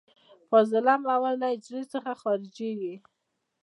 فاضله مواد له حجرې څخه خارجیږي.